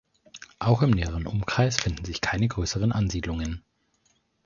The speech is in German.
Auch im näheren Umkreis finden sich keine größeren Ansiedlungen.